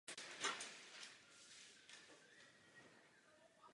Farnost je spravována z farnosti Malá Morávka.